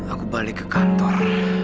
aku balik ke kantor